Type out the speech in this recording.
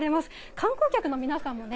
観光客の皆さんもね